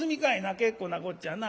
結構なこっちゃな。